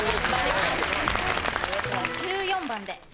１４番で。